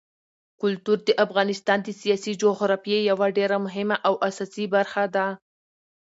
کلتور د افغانستان د سیاسي جغرافیې یوه ډېره مهمه او اساسي برخه ده.